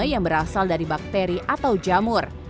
yang berasal dari bakteri atau jamur